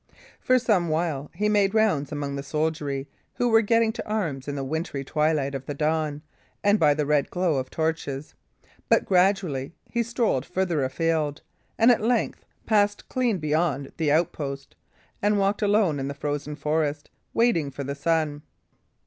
For some while he made rounds among the soldiery, who were getting to arms in the wintry twilight of the dawn and by the red glow of torches; but gradually he strolled further afield, and at length passed clean beyond the outposts, and walked alone in the frozen forest, waiting for the sun.